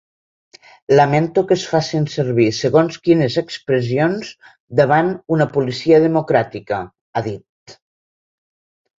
Lamento que es facin servir segons quines expressions davant una policia democràtica, ha dit.